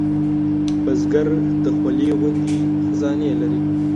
بزګر د خولې غوندې خزانې لري